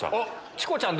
チコちゃん